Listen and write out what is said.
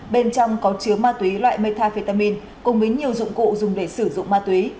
bên trong có chứa ma túy loại metafetamin cùng với nhiều dụng cụ dùng để sử dụng ma túy